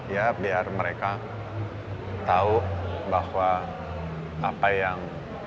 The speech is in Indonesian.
ya biar mereka tahu bahwa apa yang